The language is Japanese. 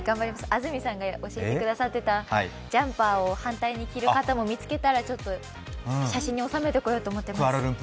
安住さんが教えてくださっていたジャンパーを反対に着る方も見つけたら写真に納めてこようと思っています。